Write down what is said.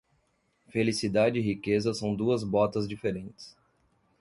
Felicidade e riqueza são duas botas diferentes.